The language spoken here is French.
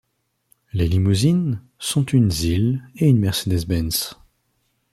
Les limousines sont une ZiL et une Mercedes-Benz.